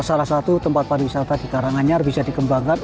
salah satu tempat pariwisata di karanganyar bisa dikembangkan